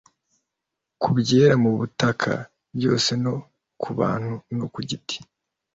Ku byera mu butaka byose no ku bantu no ku giti